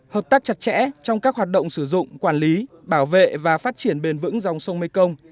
hợp tác chặt chẽ trong các hoạt động sử dụng quản lý bảo vệ và phát triển bền vững dòng sông mekong